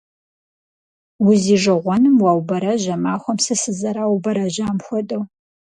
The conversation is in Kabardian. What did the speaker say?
Узижэгъуэным уаубэрэжь а махуэм сэ сызэраубэрэжьам хуэдэу!